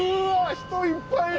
人いっぱいいる！